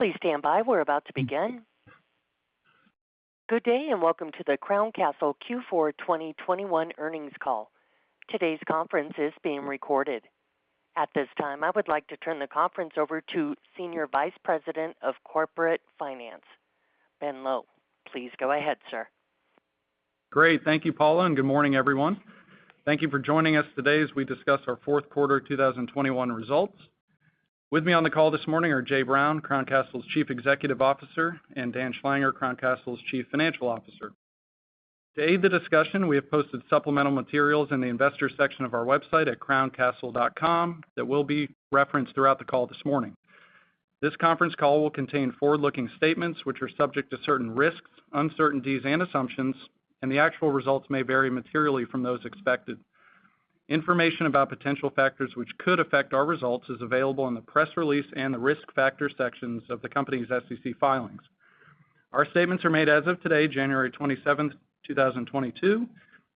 Good day, and welcome to the Crown Castle Q4 2021 earnings call. Today's conference is being recorded. At this time, I would like to turn the conference over to Senior Vice President of Corporate Finance, Ben Lowe. Please go ahead, sir. Great. Thank you, Paula, and good morning, everyone. Thank you for joining us today as we discuss our fourth quarter 2021 results. With me on the call this morning are Jay Brown, Crown Castle's Chief Executive Officer, and Dan Schlanger, Crown Castle's Chief Financial Officer. To aid the discussion, we have posted supplemental materials in the investor section of our website at crowncastle.com that will be referenced throughout the call this morning. This conference call will contain forward-looking statements, which are subject to certain risks, uncertainties, and assumptions, and the actual results may vary materially from those expected. Information about potential factors which could affect our results is available in the press release and the risk factor sections of the company's SEC filings. Our statements are made as of today, January 27th, 2022,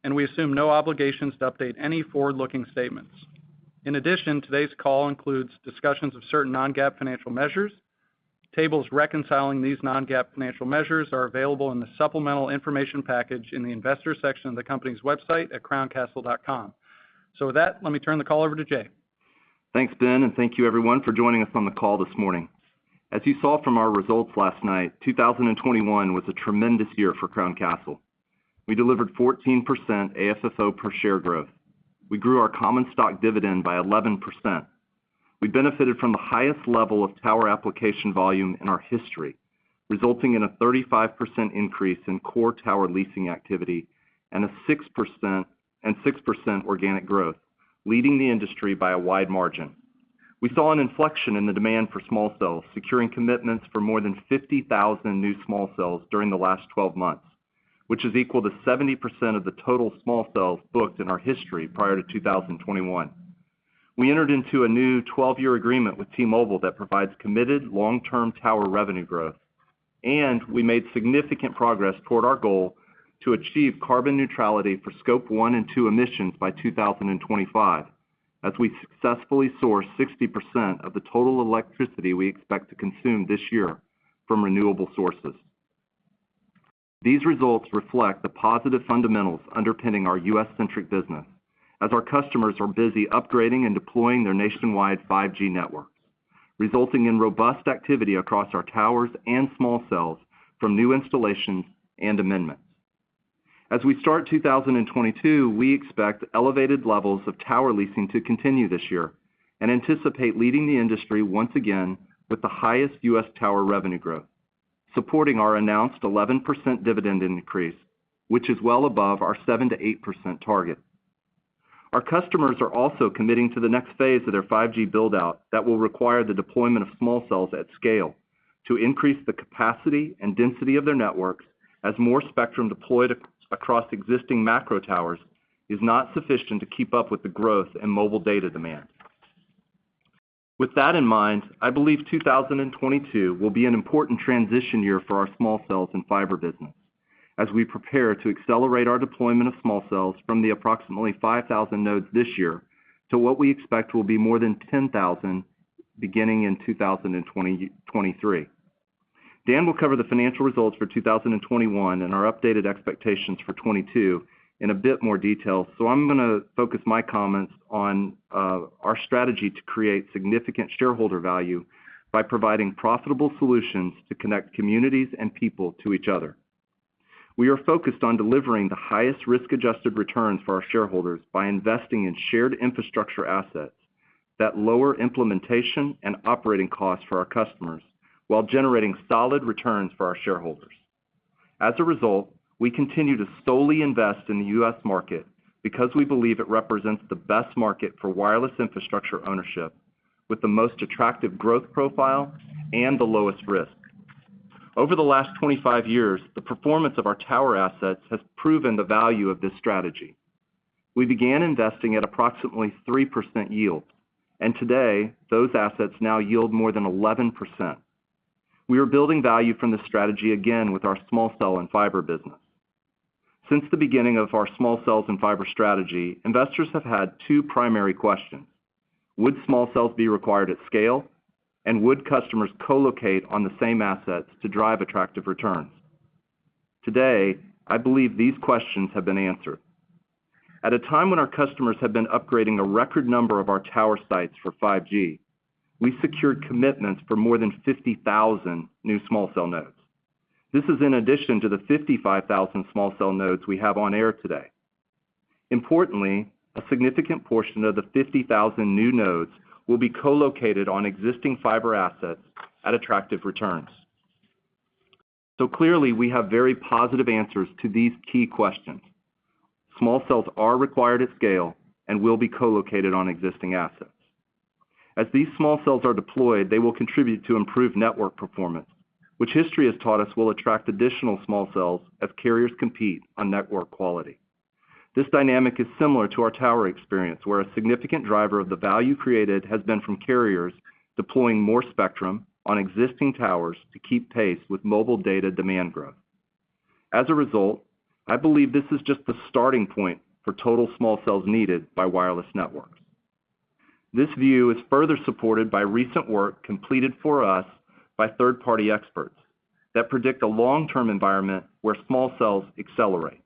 and we assume no obligations to update any forward-looking statements. In addition, today's call includes discussions of certain non-GAAP financial measures. Tables reconciling these non-GAAP financial measures are available in the supplemental information package in the Investor section of the company's website at crowncastle.com. With that, let me turn the call over to Jay. Thanks, Ben, and thank you everyone for joining us on the call this morning. As you saw from our results last night, 2021 was a tremendous year for Crown Castle. We delivered 14% AFFO per share growth. We grew our common stock dividend by 11%. We benefited from the highest level of tower application volume in our history, resulting in a 35% increase in core tower leasing activity and a 6% organic growth, leading the industry by a wide margin. We saw an inflection in the demand for small cells, securing commitments for more than 50,000 new small cells during the last 12 months, which is equal to 70% of the total small cells booked in our history prior to 2021. We entered into a new 12-year agreement with T-Mobile that provides committed long-term tower revenue growth, and we made significant progress toward our goal to achieve carbon neutrality for scope one and two emissions by 2025 as we successfully sourced 60% of the total electricity we expect to consume this year from renewable sources. These results reflect the positive fundamentals underpinning our U.S.-centric business as our customers are busy upgrading and deploying their nationwide 5G networks, resulting in robust activity across our towers and small cells from new installations and amendments. As we start 2022, we expect elevated levels of tower leasing to continue this year and anticipate leading the industry once again with the highest U.S. tower revenue growth, supporting our announced 11% dividend increase, which is well above our 7%-8% target. Our customers are also committing to the next phase of their 5G build-out that will require the deployment of small cells at scale to increase the capacity and density of their networks as more spectrum deployed across existing macro towers is not sufficient to keep up with the growth in mobile data demand. With that in mind, I believe 2022 will be an important transition year for our small cells and fiber business as we prepare to accelerate our deployment of small cells from the approximately 5,000 nodes this year to what we expect will be more than 10,000 beginning in 2023. Dan will cover the financial results for 2021 and our updated expectations for 2022 in a bit more detail. I'm gonna focus my comments on our strategy to create significant shareholder value by providing profitable solutions to connect communities and people to each other. We are focused on delivering the highest risk-adjusted returns for our shareholders by investing in shared infrastructure assets that lower implementation and operating costs for our customers while generating solid returns for our shareholders. As a result, we continue to solely invest in the U.S. market because we believe it represents the best market for wireless infrastructure ownership with the most attractive growth profile and the lowest risk. Over the last 25 years, the performance of our tower assets has proven the value of this strategy. We began investing at approximately 3% yield, and today, those assets now yield more than 11%. We are building value from this strategy again with our small cell and fiber business. Since the beginning of our small cells and fiber strategy, investors have had two primary questions. Would small cells be required at scale, and would customers co-locate on the same assets to drive attractive returns? Today, I believe these questions have been answered. At a time when our customers have been upgrading a record number of our tower sites for 5G, we secured commitments for more than 50,000 new small cell nodes. This is in addition to the 55,000 small cell nodes we have on air today. Importantly, a significant portion of the 50,000 new nodes will be co-located on existing fiber assets at attractive returns. Clearly, we have very positive answers to these key questions. Small cells are required at scale and will be co-located on existing assets. As these small cells are deployed, they will contribute to improved network performance, which history has taught us will attract additional small cells as carriers compete on network quality. This dynamic is similar to our tower experience, where a significant driver of the value created has been from carriers deploying more spectrum on existing towers to keep pace with mobile data demand growth. As a result, I believe this is just the starting point for total small cells needed by wireless networks. This view is further supported by recent work completed for us by third-party experts that predict a long-term environment where small cells accelerate.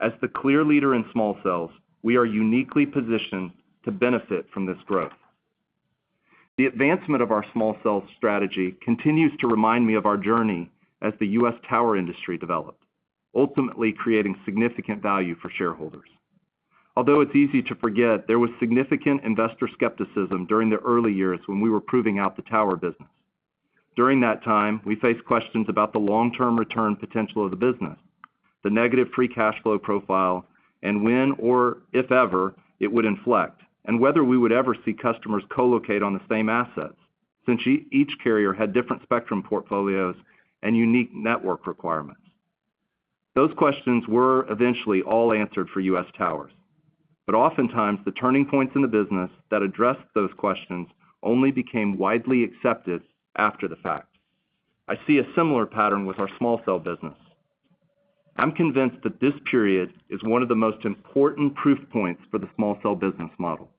As the clear leader in small cells, we are uniquely positioned to benefit from this growth. The advancement of our small cell strategy continues to remind me of our journey as the U.S. tower industry developed, ultimately creating significant value for shareholders. Although it's easy to forget, there was significant investor skepticism during the early years when we were proving out the tower business. During that time, we faced questions about the long-term return potential of the business, the negative free cash flow profile, and when or if ever it would inflect, and whether we would ever see customers co-locate on the same assets since each carrier had different spectrum portfolios and unique network requirements. Those questions were eventually all answered for U.S. Towers. Oftentimes, the turning points in the business that addressed those questions only became widely accepted after the fact. I see a similar pattern with our small cell business. I'm convinced that this period is one of the most important proof points for the small cell business model.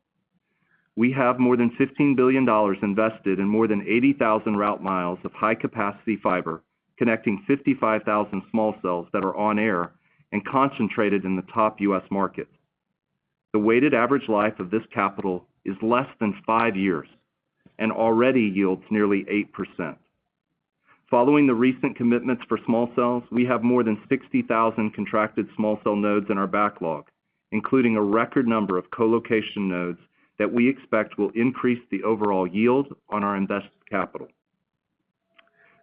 We have more than $15 billion invested in more than 80,000 route miles of high-capacity fiber connecting 55,000 small cells that are on air and concentrated in the top U.S. market. The weighted average life of this capital is less than five years and already yields nearly 8%. Following the recent commitments for small cells, we have more than 60,000 contracted small cell nodes in our backlog, including a record number of co-location nodes that we expect will increase the overall yield on our invested capital.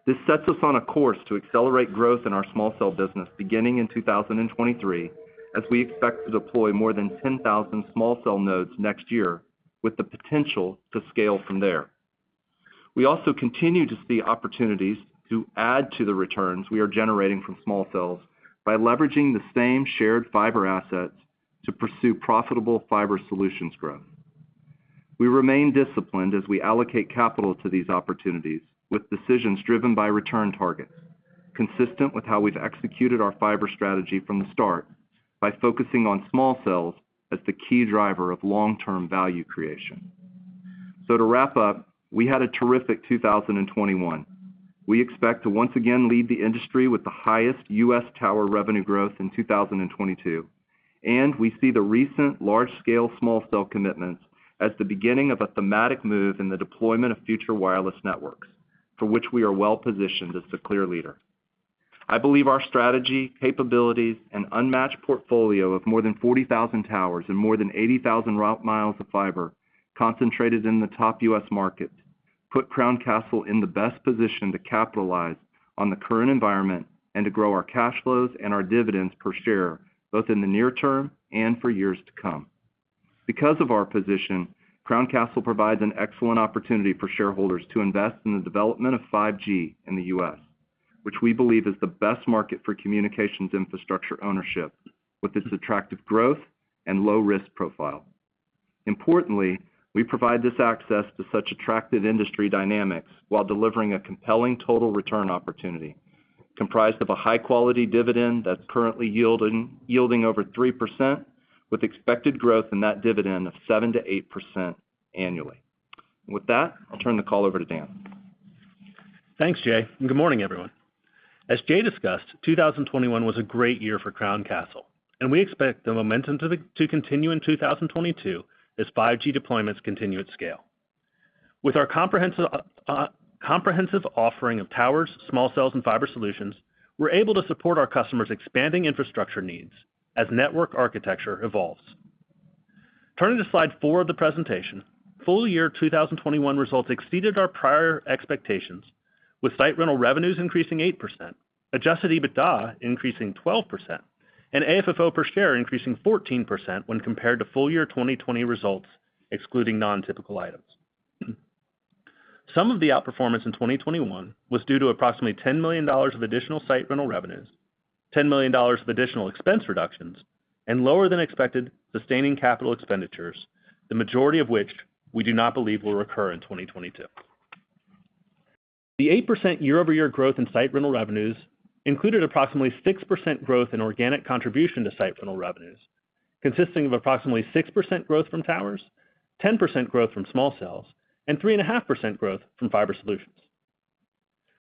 This sets us on a course to accelerate growth in our small cell business beginning in 2023 as we expect to deploy more than 10,000 small cell nodes next year with the potential to scale from there. We also continue to see opportunities to add to the returns we are generating from small cells by leveraging the same shared fiber assets to pursue profitable fiber solutions growth. We remain disciplined as we allocate capital to these opportunities with decisions driven by return targets, consistent with how we've executed our fiber strategy from the start by focusing on small cells as the key driver of long-term value creation. To wrap up, we had a terrific 2021. We expect to once again lead the industry with the highest U.S. tower revenue growth in 2022, and we see the recent large-scale small cell commitments as the beginning of a thematic move in the deployment of future wireless networks, for which we are well positioned as the clear leader. I believe our strategy, capabilities, and unmatched portfolio of more than 40,000 towers and more than 80,000 route miles of fiber concentrated in the top U.S. market put Crown Castle in the best position to capitalize on the current environment and to grow our cash flows and our dividends per share, both in the near term and for years to come. Because of our position, Crown Castle provides an excellent opportunity for shareholders to invest in the development of 5G in the U.S., which we believe is the best market for communications infrastructure ownership with its attractive growth and low risk profile. Importantly, we provide this access to such attractive industry dynamics while delivering a compelling total return opportunity comprised of a high-quality dividend that's currently yielding over 3% with expected growth in that dividend of 7%-8% annually. With that, I'll turn the call over to Dan. Thanks, Jay, and good morning, everyone. As Jay discussed, 2021 was a great year for Crown Castle, and we expect the momentum to continue in 2022 as 5G deployments continue at scale. With our comprehensive comprehensive offering of towers, small cells and fiber solutions, we're able to support our customers expanding infrastructure needs as network architecture evolves. Turning to slide four of the presentation, full year 2021 results exceeded our prior expectations, with site rental revenues increasing 8%, adjusted EBITDA increasing 12%, and AFFO per share increasing 14% when compared to full year 2020 results, excluding non-typical items. Some of the outperformance in 2021 was due to approximately $10 million of additional site rental revenues, $10 million of additional expense reductions, and lower than expected sustaining capital expenditures, the majority of which we do not believe will recur in 2022. The 8% year-over-year growth in site rental revenues included approximately 6% growth in organic contribution to site rental revenues, consisting of approximately 6% growth from towers, 10% growth from small cells, and 3.5% growth from fiber solutions.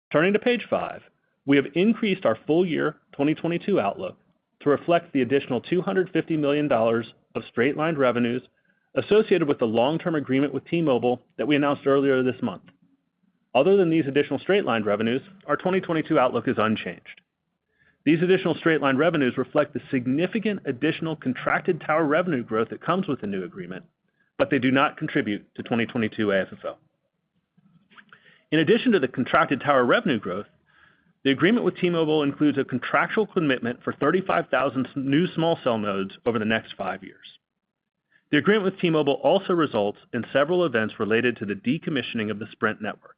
Turning to page five, we have increased our full year 2022 outlook to reflect the additional $250 million of straight line revenues associated with the long-term agreement with T-Mobile that we announced earlier this month. Other than these additional straight line revenues, our 2022 outlook is unchanged. These additional straight line revenues reflect the significant additional contracted tower revenue growth that comes with the new agreement, but they do not contribute to 2022 AFFO. In addition to the contracted tower revenue growth, the agreement with T-Mobile includes a contractual commitment for 35,000 new small cell nodes over the next five years. The agreement with T-Mobile also results in several events related to the decommissioning of the Sprint network,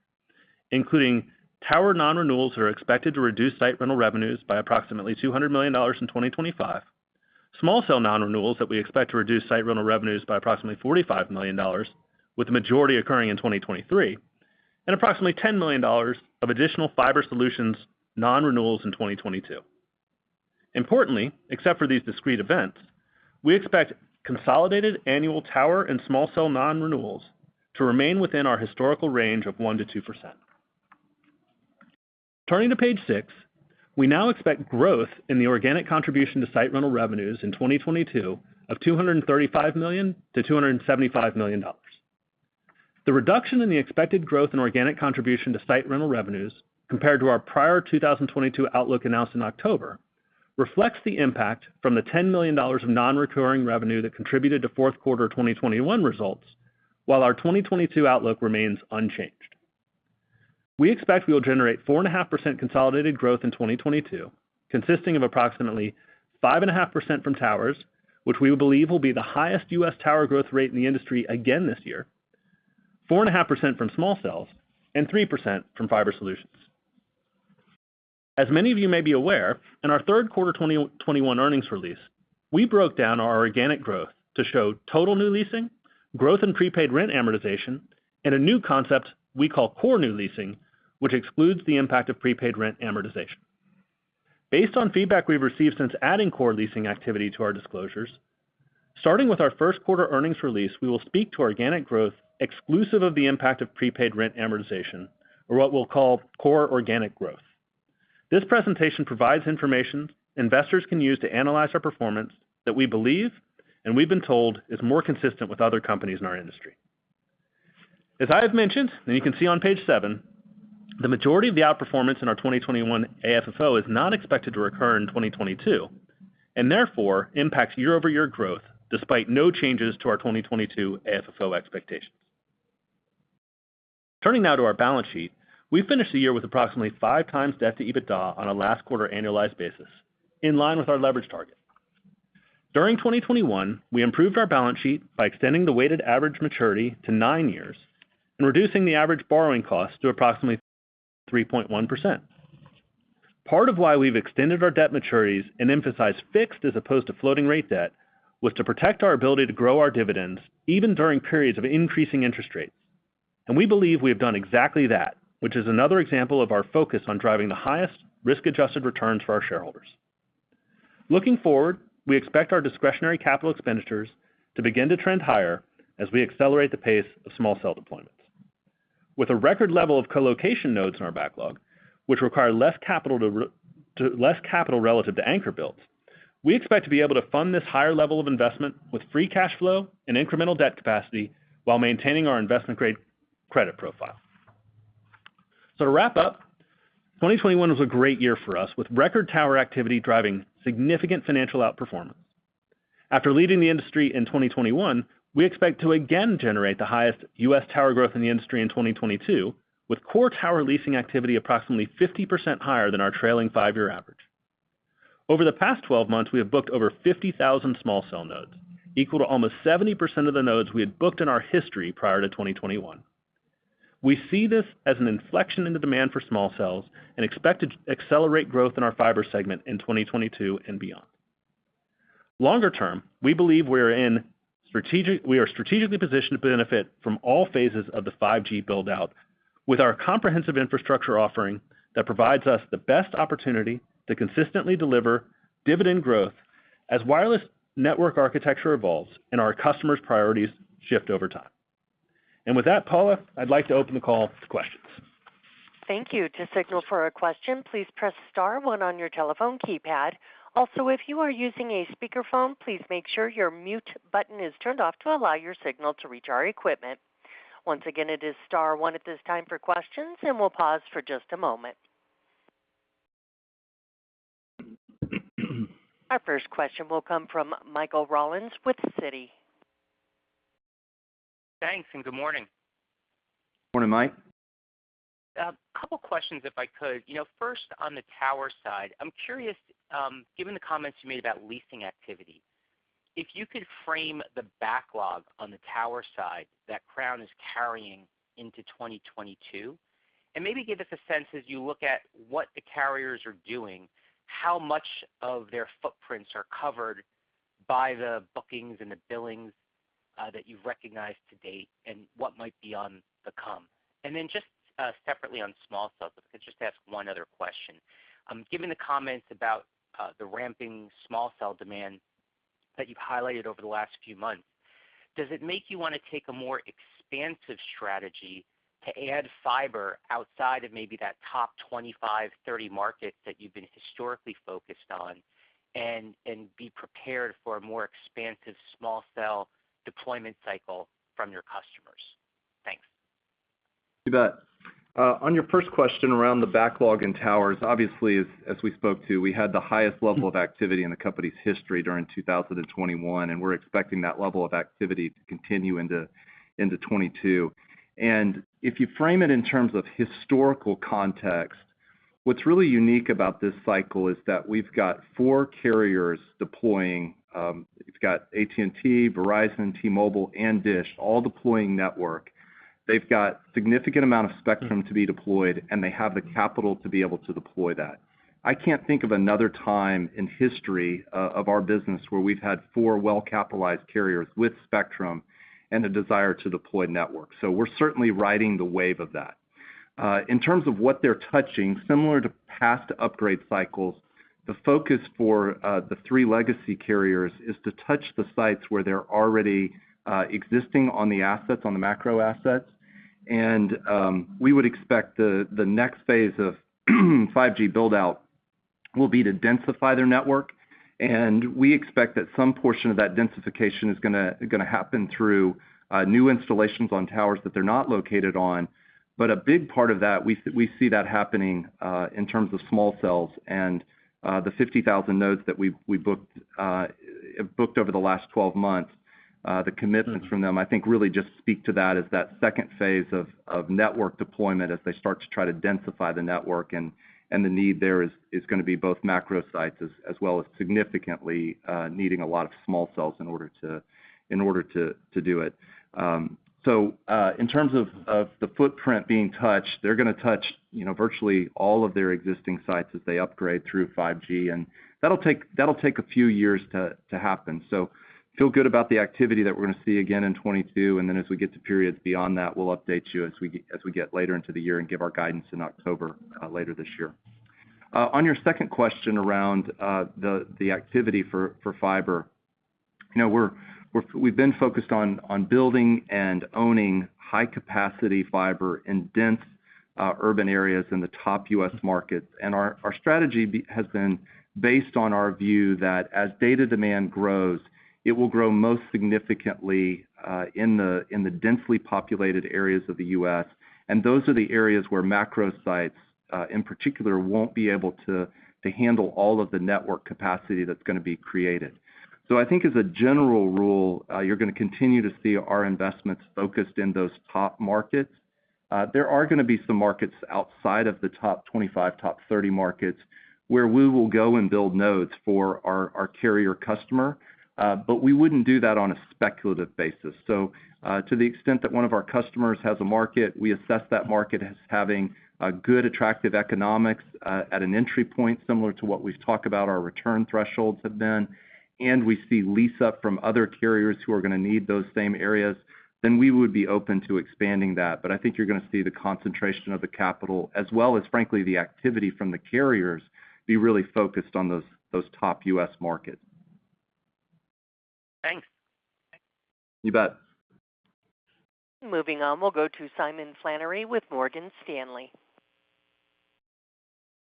including tower non-renewals that are expected to reduce site rental revenues by approximately $200 million in 2025, small cell non-renewals that we expect to reduce site rental revenues by approximately $45 million, with the majority occurring in 2023, and approximately $10 million of additional fiber solutions non-renewals in 2022. Importantly, except for these discrete events, we expect consolidated annual tower and small cell non-renewals to remain within our historical range of 1%-2%. Turning to page six, we now expect growth in the organic contribution to site rental revenues in 2022 of $235 million-$275 million. The reduction in the expected growth in organic contribution to site rental revenues compared to our prior 2022 outlook announced in October reflects the impact from the $10 million of non-recurring revenue that contributed to fourth quarter 2021 results, while our 2022 outlook remains unchanged. We expect we will generate 4.5% consolidated growth in 2022, consisting of approximately 5.5% from towers, which we believe will be the highest U.S. tower growth rate in the industry again this year, 4.5% from small cells and 3% from fiber solutions. As many of you may be aware, in our third quarter 2021 earnings release, we broke down our organic growth to show total new leasing, growth in prepaid rent amortization, and a new concept we call core new leasing, which excludes the impact of prepaid rent amortization. Based on feedback we've received since adding core leasing activity to our disclosures, starting with our first quarter earnings release, we will speak to organic growth exclusive of the impact of prepaid rent amortization or what we'll call core organic growth. This presentation provides information investors can use to analyze our performance that we believe, and we've been told, is more consistent with other companies in our industry. As I have mentioned, and you can see on page seven, the majority of the outperformance in our 2021 AFFO is not expected to recur in 2022, and therefore impacts year-over-year growth despite no changes to our 2022 AFFO expectations. Turning now to our balance sheet, we finished the year with approximately 5x debt to EBITDA on a last quarter annualized basis, in line with our leverage target. During 2021, we improved our balance sheet by extending the weighted average maturity to nine years and reducing the average borrowing cost to approximately 3.1%. Part of why we've extended our debt maturities and emphasized fixed as opposed to floating rate debt was to protect our ability to grow our dividends even during periods of increasing interest rates. We believe we have done exactly that, which is another example of our focus on driving the highest risk-adjusted returns for our shareholders. Looking forward, we expect our discretionary capital expenditures to begin to trend higher as we accelerate the pace of small cell deployments. With a record level of co-location nodes in our backlog, which require less capital relative to anchor builds, we expect to be able to fund this higher level of investment with free cash flow and incremental debt capacity while maintaining our investment grade credit profile. To wrap up, 2021 was a great year for us, with record tower activity driving significant financial outperformance. After leading the industry in 2021, we expect to again generate the highest U.S. tower growth in the industry in 2022, with core tower leasing activity approximately 50% higher than our trailing five-year average. Over the past 12 months, we have booked over 50,000 small cell nodes, equal to almost 70% of the nodes we had booked in our history prior to 2021. We see this as an inflection in the demand for small cells and expect to accelerate growth in our fiber segment in 2022 and beyond. Longer term, we believe we are strategically positioned to benefit from all phases of the 5G build-out with our comprehensive infrastructure offering that provides us the best opportunity to consistently deliver dividend growth as wireless network architecture evolves and our customers' priorities shift over time. With that, Paula, I'd like to open the call to questions. Thank you. To signal for a question, please press star one on your telephone keypad. Also, if you are using a speakerphone, please make sure your mute button is turned off to allow your signal to reach our equipment. Once again, it is star one at this time for questions, and we'll pause for just a moment. Our first question will come from Michael Rollins with Citi. Thanks, and good morning. Morning, Michael. A couple questions if I could. You know, first, on the tower side, I'm curious, given the comments you made about leasing activity, if you could frame the backlog on the tower side that Crown is carrying into 2022, and maybe give us a sense as you look at what the carriers are doing, how much of their footprints are covered by the bookings and the billings, that you've recognized to date and what might be on the come. Then just, separately on small cells, if I could just ask one other question. Given the comments about the ramping small cell demand that you've highlighted over the last few months, does it make you wanna take a more expansive strategy to add fiber outside of maybe that top 25-30 markets that you've been historically focused on and be prepared for a more expansive small cell deployment cycle from your customers? Thanks. You bet. On your first question around the backlog in towers, obviously as we spoke to, we had the highest level of activity in the company's history during 2021, and we're expecting that level of activity to continue into 2022. If you frame it in terms of historical context, what's really unique about this cycle is that we've got four carriers deploying. You've got AT&T, Verizon, T-Mobile, and DISH all deploying network. They've got significant amount of spectrum to be deployed, and they have the capital to be able to deploy that. I can't think of another time in history of our business where we've got four well-capitalized carriers with spectrum and a desire to deploy network. We're certainly riding the wave of that. In terms of what they're touching, similar to past upgrade cycles, the focus for the three legacy carriers is to touch the sites where they're already existing on the assets, on the macro assets. We would expect the next phase of 5G build-out will be to densify their network. We expect that some portion of that densification is gonna happen through new installations on towers that they're not located on. A big part of that, we see that happening in terms of small cells and the 50,000 nodes that we booked over the last 12 months. The commitments from them, I think, really just speak to that as that second phase of network deployment as they start to try to densify the network, and the need there is gonna be both macro sites as well as significantly needing a lot of small cells in order to do it. In terms of the footprint being touched, they're gonna touch, you know, virtually all of their existing sites as they upgrade through 5G, and that'll take a few years to happen. Feel good about the activity that we're gonna see again in 2022, and then as we get to periods beyond that, we'll update you as we get later into the year and give our guidance in October later this year. On your second question around the activity for fiber, you know, we've been focused on building and owning high-capacity fiber in dense urban areas in the top U.S. markets. Our strategy has been based on our view that as data demand grows, it will grow most significantly in the densely populated areas of the U.S., and those are the areas where macro sites, in particular, won't be able to handle all of the network capacity that's gonna be created. I think as a general rule, you're gonna continue to see our investments focused in those top markets. There are gonna be some markets outside of the top 25, top 30 markets, where we will go and build nodes for our carrier customer, but we wouldn't do that on a speculative basis. To the extent that one of our customers has a market, we assess that market as having good, attractive economics at an entry point similar to what we've talked about our return thresholds have been, and we see lease up from other carriers who are gonna need those same areas, then we would be open to expanding that. I think you're gonna see the concentration of the capital as well as, frankly, the activity from the carriers be really focused on those top U.S. markets. Thanks. You bet. Moving on, we'll go to Simon Flannery with Morgan Stanley.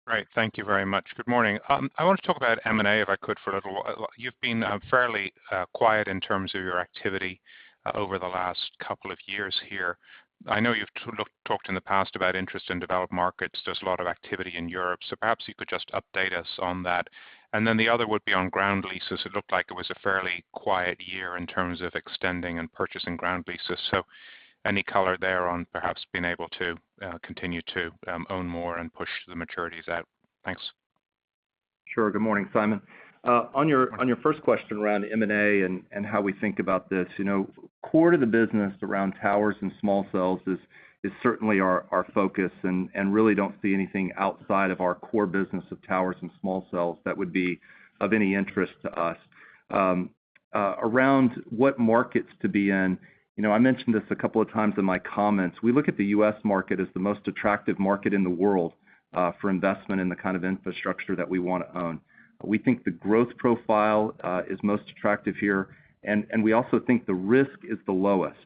Great. Thank you very much. Good morning. I want to talk about M&A, if I could, for a little. You've been fairly quiet in terms of your activity over the last couple of years here. I know you've talked in the past about interest in developed markets. There's a lot of activity in Europe, so perhaps you could just update us on that. Then the other would be on ground leases. It looked like it was a fairly quiet year in terms of extending and purchasing ground leases, so any color there on perhaps being able to continue to own more and push the maturities out. Thanks. Sure. Good morning, Simon. On your first question around M&A and how we think about this, core to the business around towers and small cells is certainly our focus and really don't see anything outside of our core business of towers and small cells that would be of any interest to us. Around what markets to be in, I mentioned this a couple of times in my comments. We look at the U.S. market as the most attractive market in the world for investment in the kind of infrastructure that we wanna own. We think the growth profile is most attractive here, and we also think the risk is the lowest.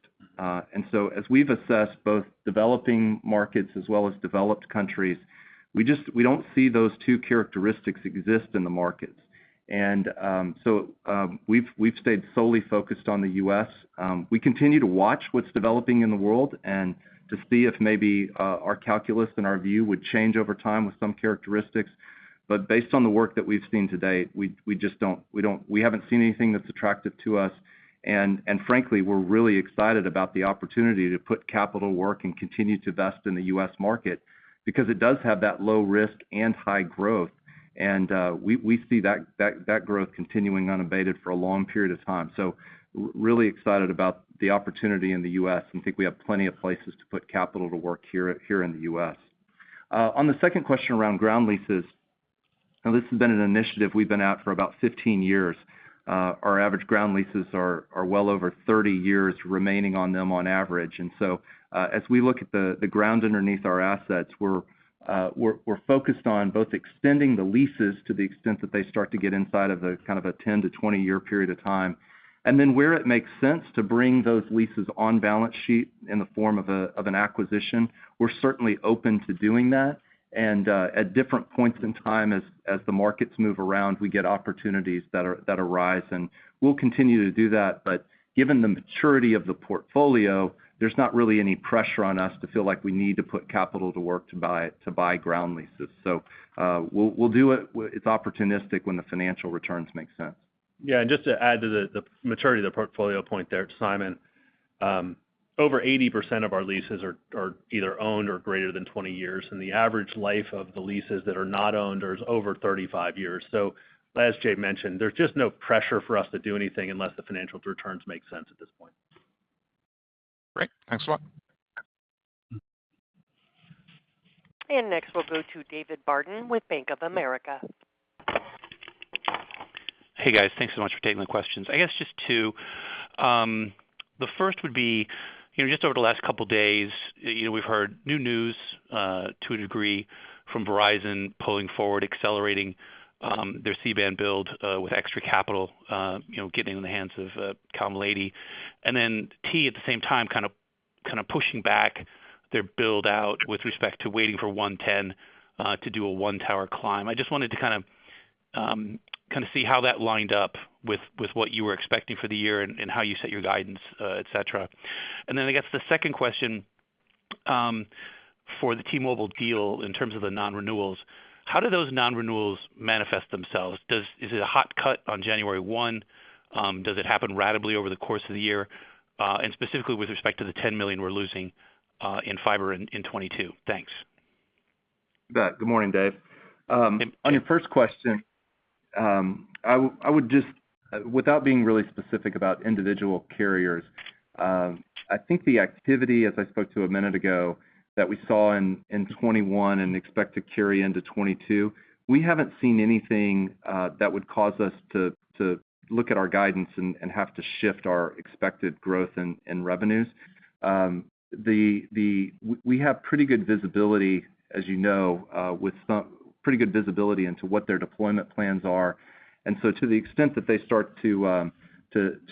As we've assessed both developing markets as well as developed countries, we don't see those two characteristics exist in the markets. We've stayed solely focused on the U.S. We continue to watch what's developing in the world and to see if maybe our calculus and our view would change over time with some characteristics. Based on the work that we've seen to date, we just haven't seen anything that's attractive to us. Frankly, we're really excited about the opportunity to put capital to work and continue to invest in the U.S. market because it does have that low risk and high growth. We see that growth continuing unabated for a long period of time. Really excited about the opportunity in the U.S., and think we have plenty of places to put capital to work here in the U.S. On the second question around ground leases, now this has been an initiative we've been at for about 15 years. Our average ground leases are well over 30 years remaining on them on average. As we look at the ground underneath our assets, we're focused on both extending the leases to the extent that they start to get inside of the kind of a 10- to 20-year period of time. Where it makes sense to bring those leases on balance sheet in the form of an acquisition, we're certainly open to doing that. At different points in time as the markets move around, we get opportunities that arise, and we'll continue to do that. Given the maturity of the portfolio, there's not really any pressure on us to feel like we need to put capital to work to buy ground leases. We'll do it. It's opportunistic when the financial returns make sense. Yeah. Just to add to the maturity of the portfolio point there, Simon, over 80% of our leases are either owned or greater than 20 years, and the average life of the leases that are not owned is over 35 years. As Jay mentioned, there's just no pressure for us to do anything unless the financial returns make sense at this point. Great. Thanks a lot. Next, we'll go to David Barden with Bank of America. Hey, guys. Thanks so much for taking the questions. I guess just two. The first would be, you know, just over the last couple days, you know, we've heard new news, to a degree from Verizon pulling forward, accelerating, their C-band build, with extra capital, you know, getting in the hands of, Crown Castle. Then T-Mobile at the same time, kind of pushing back their build-out with respect to waiting for 110, to do a one tower climb. I just wanted to kind of see how that lined up with what you were expecting for the year and how you set your guidance, et cetera. Then I guess the second question, for the T-Mobile deal in terms of the non-renewals, how do those non-renewals manifest themselves? Is it a hot cut on January 1? Does it happen ratably over the course of the year? Specifically with respect to the $10 million we're losing in fiber in 2022. Thanks. You bet. Good morning, Dave. On your first question, I would just without being really specific about individual carriers. I think the activity, as I spoke to a minute ago, that we saw in 2021 and expect to carry into 2022, we haven't seen anything that would cause us to look at our guidance and have to shift our expected growth and revenues. We have pretty good visibility, as you know, pretty good visibility into what their deployment plans are. To the extent that they start to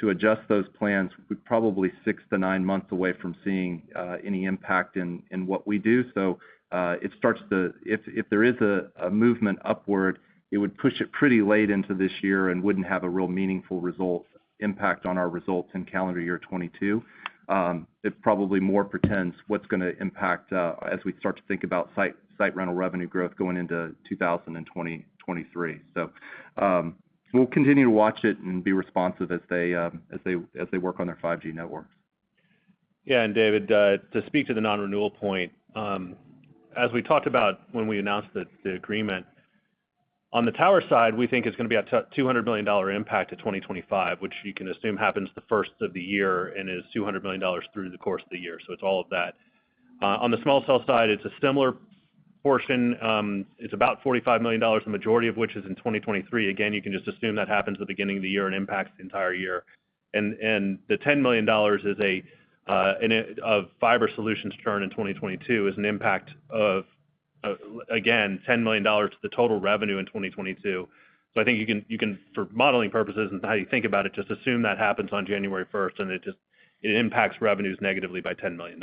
adjust those plans, we're probably six to nine months away from seeing any impact in what we do. If there is a movement upward, it would push it pretty late into this year and wouldn't have a real meaningful result impact on our results in calendar year 2022. It probably more portends what's gonna impact as we start to think about site rental revenue growth going into 2023. We'll continue to watch it and be responsive as they work on their 5G networks. Yeah. David, to speak to the non-renewal point, as we talked about when we announced the agreement, on the tower side, we think it's gonna be a $200 million impact to 2025, which you can assume happens the first of the year and is $200 million through the course of the year. It's all of that. On the small cell side, it's a similar portion. It's about $45 million, the majority of which is in 2023. Again, you can just assume that happens at the beginning of the year and impacts the entire year. The $10 million is a Fiber Solutions turn in 2022, an impact of again $10 million to the total revenue in 2022. I think you can for modeling purposes and how you think about it, just assume that happens on January 1st, and it impacts revenues negatively by $10 million.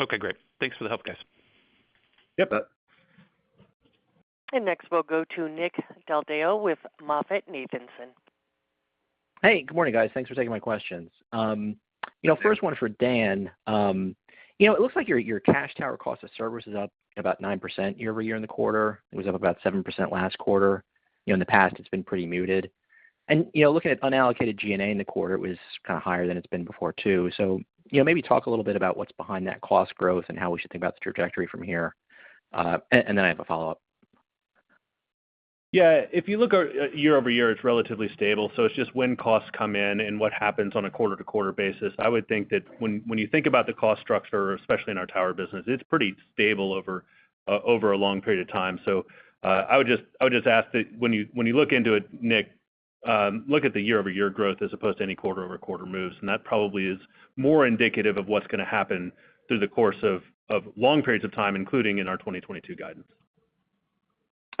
Okay, great. Thanks for the help, guys. Yep. You bet. Next, we'll go to Nick Del Deo with MoffettNathanson. Hey, good morning, guys. Thanks for taking my questions. You know, first one for Dan. You know, it looks like your cash tower cost of service is up about 9% year-over-year in the quarter. It was up about 7% last quarter. You know, in the past, it's been pretty muted. You know, looking at unallocated G&A in the quarter, it was kinda higher than it's been before, too. You know, maybe talk a little bit about what's behind that cost growth and how we should think about the trajectory from here. And then I have a follow-up. Yeah. If you look at year-over-year, it's relatively stable, so it's just when costs come in and what happens on a quarter-to-quarter basis. I would think that when you think about the cost structure, especially in our tower business, it's pretty stable over a long period of time. I would just ask that when you look into it, Nick, look at the year-over-year growth as opposed to any quarter-over-quarter moves. That probably is more indicative of what's gonna happen through the course of long periods of time, including in our 2022 guidance.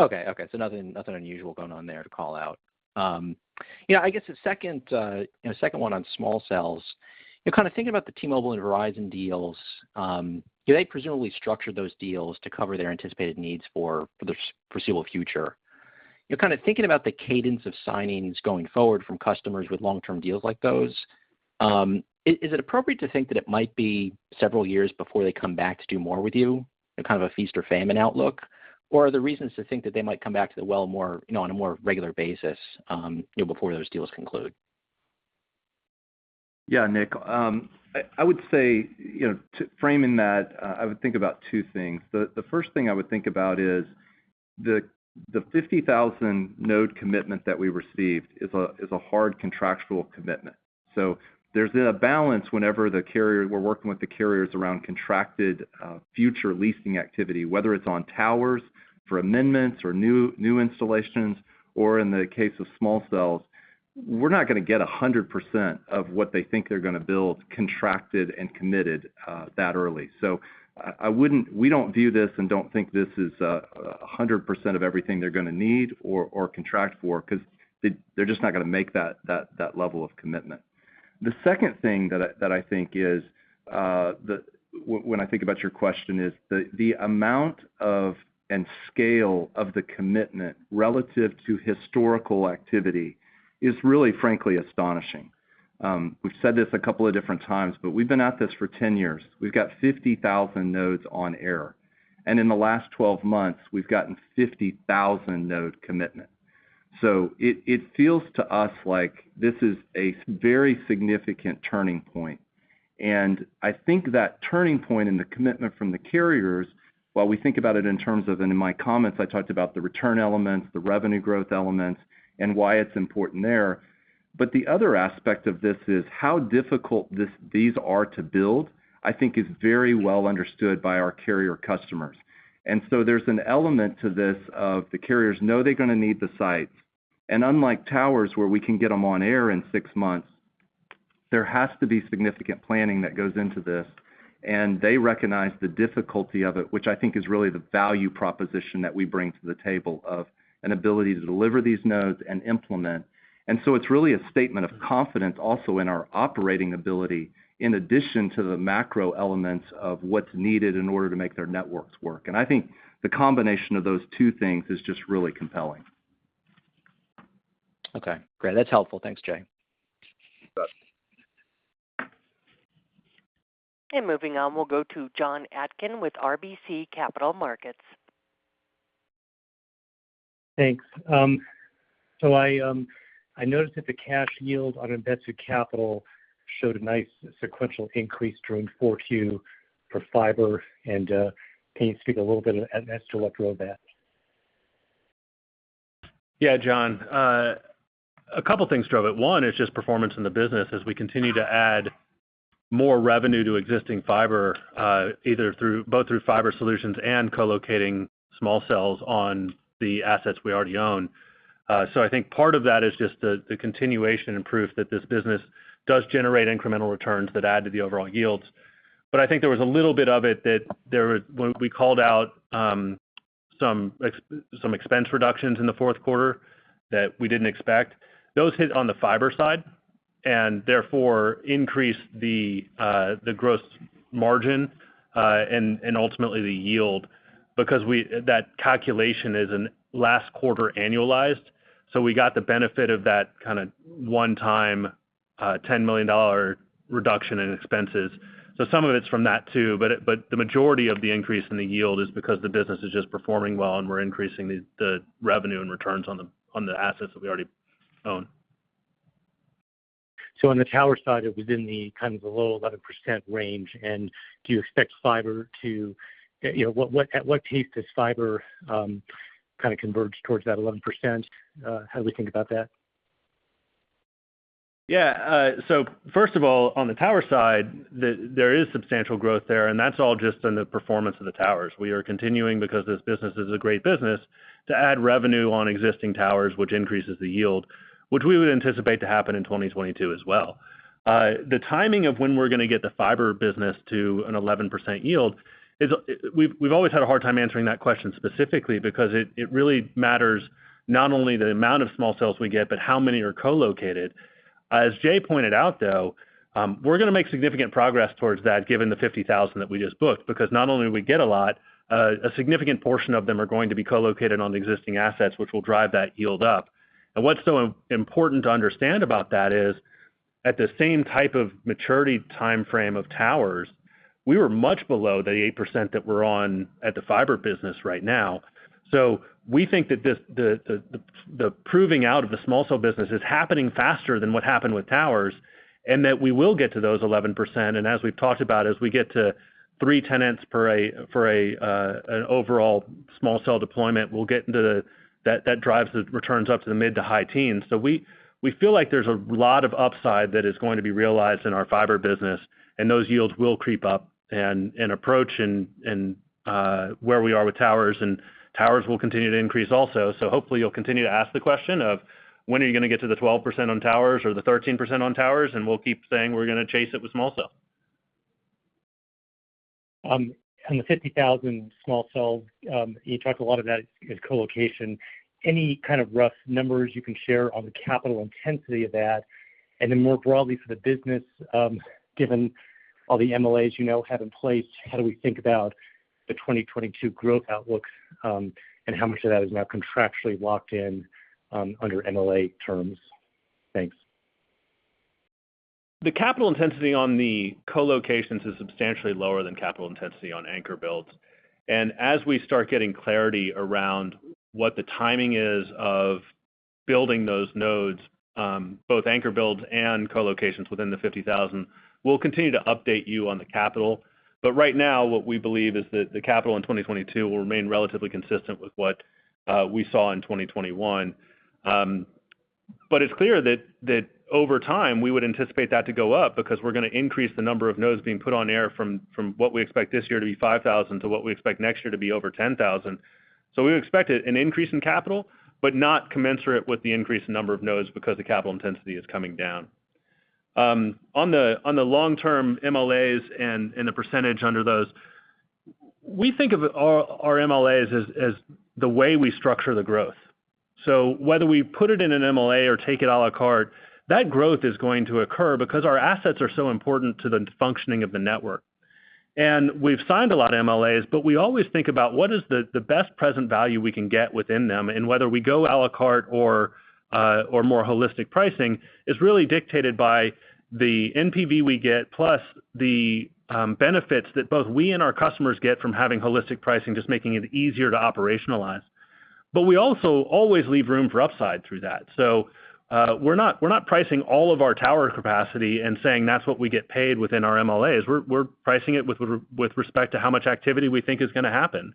Okay. Nothing unusual going on there to call out. Yeah, I guess the second one on small cells, you know, kind of thinking about the T-Mobile and Verizon deals, do they presumably structure those deals to cover their anticipated needs for the foreseeable future? You're kind of thinking about the cadence of signings going forward from customers with long-term deals like those, is it appropriate to think that it might be several years before they come back to do more with you in kind of a feast or famine outlook? Are there reasons to think that they might come back to the well more, you know, on a more regular basis, you know, before those deals conclude? Yeah, Nick. I would say, you know, to frame in that, I would think about two things. The first thing I would think about is the 50,000 node commitment that we received is a hard contractual commitment. So there's been a balance whenever the carrier, we're working with the carriers around contracted future leasing activity, whether it's on towers for amendments or new installations, or in the case of small cells, we're not gonna get 100% of what they think they're gonna build contracted and committed that early. So I wouldn't, we don't view this and don't think this is a 100% of everything they're gonna need or contract for 'cause they're just not gonna make that level of commitment. The second thing that I think is when I think about your question is the amount of and scale of the commitment relative to historical activity is really, frankly astonishing. We've said this a couple of different times, but we've been at this for 10 years. We've got 50,000 nodes on air, and in the last 12 months we've gotten 50,000 node commitment. It feels to us like this is a very significant turning point. I think that turning point and the commitment from the carriers, while we think about it in terms of, and in my comments, I talked about the return elements, the revenue growth elements, and why it's important there. The other aspect of this is how difficult these are to build, I think is very well understood by our carrier customers. There's an element to this of the carriers know they're gonna need the sites, and unlike towers, where we can get them on air in six months, there has to be significant planning that goes into this, and they recognize the difficulty of it, which I think is really the value proposition that we bring to the table of an ability to deliver these nodes and implement. It's really a statement of confidence also in our operating ability, in addition to the macro elements of what's needed in order to make their networks work. I think the combination of those two things is just really compelling. Okay. Great. That's helpful. Thanks, Jay. You bet. Moving on, we'll go to Jon Atkin with RBC Capital Markets. Thanks. I noticed that the cash yield on invested capital showed a nice sequential increase during Q4 for fiber. Can you speak a little bit as to what drove that? Yeah, John. A couple of things drove it. One is just performance in the business as we continue to add more revenue to existing fiber, both through fiber solutions and co-locating small cells on the assets we already own. So I think part of that is just the continuation and proof that this business does generate incremental returns that add to the overall yields. I think there was a little bit of it when we called out some expense reductions in the fourth quarter that we didn't expect. Those hit on the fiber side and therefore increased the gross margin and ultimately the yield because that calculation is in last quarter annualized, so we got the benefit of that kinda one-time $10 million reduction in expenses. Some of it's from that too, but the majority of the increase in the yield is because the business is just performing well and we're increasing the revenue and returns on the assets that we already own. On the tower side, it was in the low 11% range. Do you expect fiber to at what pace does fiber kind of converge towards that 11%? How do we think about that? Yeah. First of all, on the tower side, there is substantial growth there, and that's all just in the performance of the towers. We are continuing because this business is a great business to add revenue on existing towers, which increases the yield, which we would anticipate to happen in 2022 as well. The timing of when we're gonna get the fiber business to an 11% yield is, we've always had a hard time answering that question specifically because it really matters not only the amount of small cells we get, but how many are co-located. As Jay pointed out, though, we're gonna make significant progress towards that given the 50,000 that we just booked, because not only we get a lot, a significant portion of them are going to be co-located on the existing assets, which will drive that yield up. What's so important to understand about that is, at the same type of maturity timeframe of towers, we were much below the 8% that we're on at the fiber business right now. We think that this, the proving out of the small cell business is happening faster than what happened with towers, and that we will get to those 11%. As we've talked about, as we get to three tenants per site for an overall small cell deployment, that drives the returns up to the mid- to high teens. We feel like there's a lot of upside that is going to be realized in our fiber business, and those yields will creep up and approach where we are with towers, and towers will continue to increase also. Hopefully, you'll continue to ask the question of when are you gonna get to the 12% on towers or the 13% on towers, and we'll keep saying we're gonna chase it with small cell. On the 50,000 small cells, you talked a lot about colocation. Any kind of rough numbers you can share on the capital intensity of that? And then more broadly for the business, given all the MLAs you now have in place, how do we think about the 2022 growth outlook, and how much of that is now contractually locked in, under MLA terms? Thanks. The capital intensity on the co-locations is substantially lower than capital intensity on anchor builds. As we start getting clarity around what the timing is of building those nodes, both anchor builds and co-locations within the 50,000, we'll continue to update you on the capital. Right now, what we believe is that the capital in 2022 will remain relatively consistent with what we saw in 2021. But it's clear that over time, we would anticipate that to go up because we're gonna increase the number of nodes being put on air from what we expect this year to be 5,000 to what we expect next year to be over 10,000. We would expect an increase in capital, but not commensurate with the increased number of nodes because the capital intensity is coming down. On the long-term MLAs and the percentage under those, we think of our MLAs as the way we structure the growth. Whether we put it in an MLA or take it à la carte, that growth is going to occur because our assets are so important to the functioning of the network. We've signed a lot of MLAs, but we always think about what is the best present value we can get within them, and whether we go à la carte or more holistic pricing is really dictated by the NPV we get, plus the benefits that both we and our customers get from having holistic pricing, just making it easier to operationalize. We also always leave room for upside through that. We're not pricing all of our tower capacity and saying that's what we get paid within our MLAs. We're pricing it with respect to how much activity we think is gonna happen.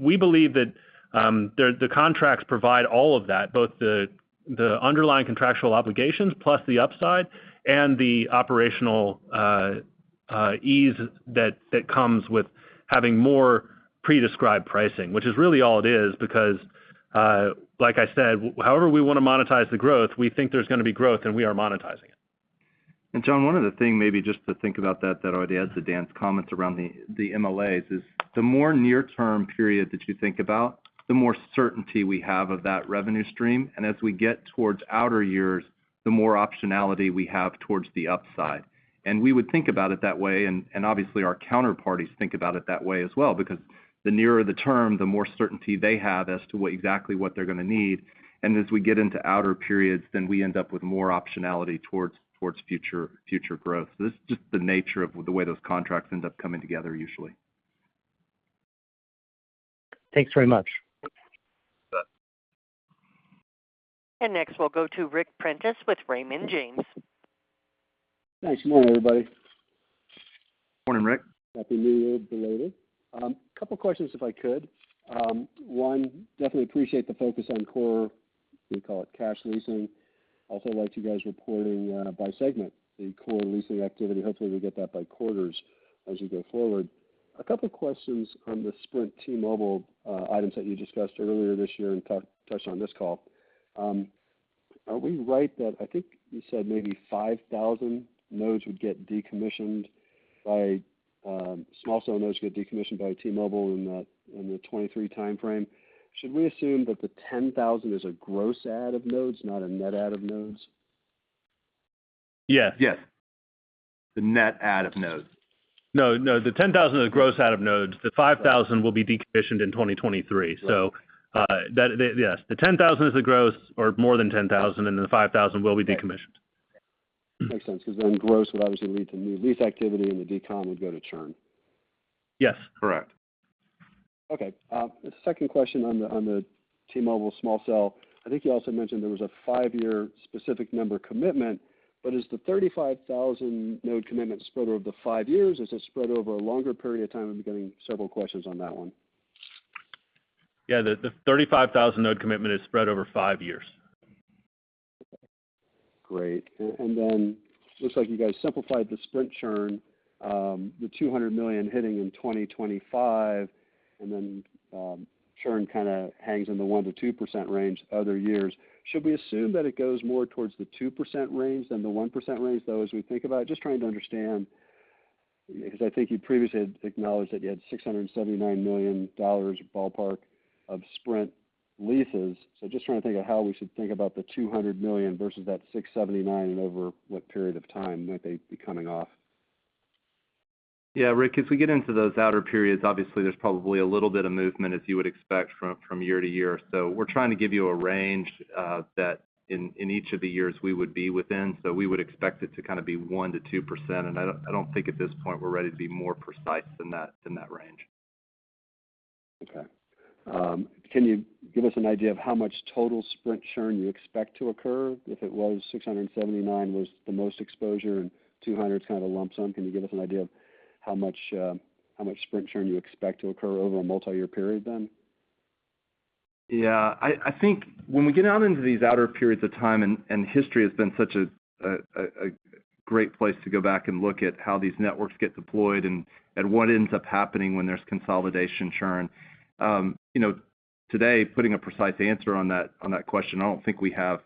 We believe that the contracts provide all of that, both the underlying contractual obligations plus the upside and the operational ease that comes with having more pre-described pricing, which is really all it is because, like I said, however we wanna monetize the growth, we think there's gonna be growth, and we are monetizing it. Jon, one other thing maybe just to think about that I would add to Dan's comments around the MLAs is the more near-term period that you think about, the more certainty we have of that revenue stream. As we get towards outer years, the more optionality we have towards the upside. We would think about it that way, and obviously, our counterparties think about it that way as well, because the nearer the term, the more certainty they have as to what exactly they're gonna need. As we get into outer periods, then we end up with more optionality towards future growth. This is just the nature of the way those contracts end up coming together usually. Thanks very much. You bet. Next, we'll go to Ric Prentiss with Raymond James. Nice. Good morning, everybody. Morning, Ric. Happy New Year, belated. Couple questions, if I could. One, definitely appreciate the focus on core, we call it cash leasing. Also liked you guys reporting by segment the core leasing activity. Hopefully, we get that by quarters as we go forward. A couple questions on the Sprint T-Mobile items that you discussed earlier this year and touched on this call. Are we right that I think you said maybe 5,000 small cell nodes would get decommissioned by T-Mobile in that, in the 2023 timeframe? Should we assume that the 10,000 is a gross add of nodes, not a net add of nodes? Yes. Yes. The net add of nodes. No, no. The 10,000 is a gross add of nodes. The 5,000 will be decommissioned in 2023. Right. The 10,000 is the gross or more than 10,000, and then the 5,000 will be decommissioned. Makes sense, 'cause then gross would obviously lead to new lease activity and the decom would go to churn. Yes, correct. Okay. Second question on the T-Mobile small cell. I think you also mentioned there was a five-year specific number commitment, but is the 35,000 node commitment spread over the five years? Is it spread over a longer period of time? I've been getting several questions on that one. Yeah. The 35,000 node commitment is spread over five years. Great. Looks like you guys simplified the Sprint churn, the $200 million hitting in 2025, and then churn kinda hangs in the 1%-2% range other years. Should we assume that it goes more towards the 2% range than the 1% range, though, as we think about it? Just trying to understand, because I think you previously had acknowledged that you had $679 million ballpark of Sprint leases. Just trying to think of how we should think about the $200 million versus that $679 over what period of time might they be coming off. Yeah, Ric, as we get into those outer periods, obviously, there's probably a little bit of movement as you would expect from year to year. We're trying to give you a range that in each of the years we would be within. We would expect it to kinda be 1%-2%. I don't think at this point we're ready to be more precise than that range. Okay, can you give us an idea of how much total Sprint churn you expect to occur? If it was 679 the most exposure and 200 is kind of a lump sum, can you give us an idea of how much Sprint churn you expect to occur over a multi-year period then? Yeah. I think when we get out into these outer periods of time, and history has been such a great place to go back and look at how these networks get deployed and what ends up happening when there's consolidation churn. You know, today, putting a precise answer on that question, I don't think we have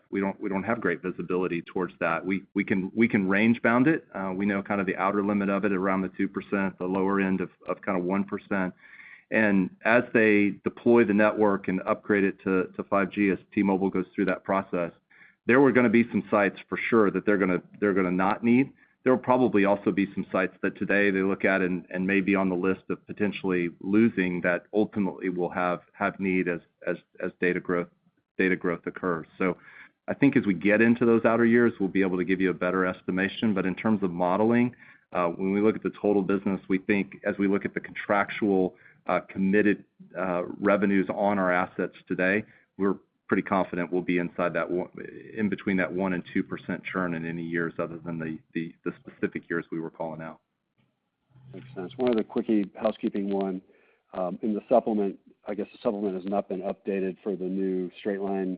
great visibility towards that. We can range bound it. We know kind of the outer limit of it around the 2%, the lower end of kind of 1%. As they deploy the network and upgrade it to 5G, as T-Mobile goes through that process, there were gonna be some sites for sure that they're gonna not need. There will probably also be some sites that today they look at and may be on the list of potentially losing that ultimately will have need as data growth occurs. I think as we get into those outer years, we'll be able to give you a better estimation. In terms of modeling, when we look at the total business, we think as we look at the contractual committed revenues on our assets today, we're pretty confident we'll be inside that 1%-2% churn in any years other than the specific years we were calling out. Makes sense. One other quickie housekeeping one. In the supplement, I guess the supplement has not been updated for the new straight line